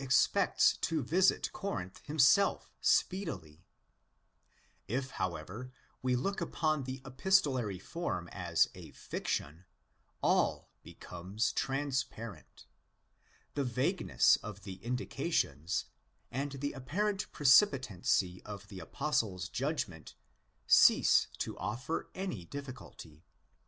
Acts v.) or by Paul. 176 THE EPISTLES TO THE CORINTHIANS we look upon the epistolary form as a fiction, all becomes transparent. The vagueness of the indica tions, and the apparent precipitancy of the Apostle's judgment, cease to offer any difficulty.